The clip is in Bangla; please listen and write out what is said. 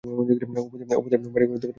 অপুদের গাড়িসুদ্ধ পার হইয়া ওপারে উঠিল।